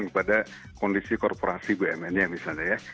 kepada kondisi korporasi bumn nya misalnya ya